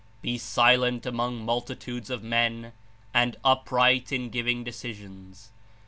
Be silent among multitudes of men, and upright in giving decisions.